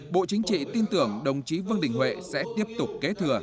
bộ chính trị tin tưởng đồng chí vương đình huệ sẽ tiếp tục kế thừa